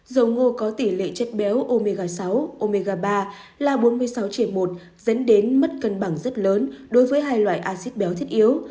dầu ngô có tỷ lệ chất béo omega sáu omega ba là bốn mươi sáu triệu một dẫn đến mất cân bằng rất lớn đối với hai loại acid béo thiết yếu